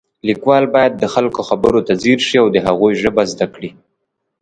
لیکوال باید د خلکو خبرو ته ځیر شي او د هغوی ژبه زده کړي